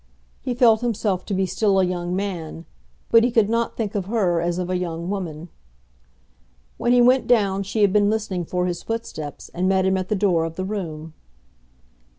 He felt himself to be still a young man, but he could not think of her as of a young woman. When he went down she had been listening for his footsteps, and met him at the door of the room.